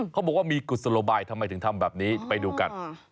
เขาบอกว่ามีกุศโลบายทำไมถึงทำแบบนี้ไปดูกัน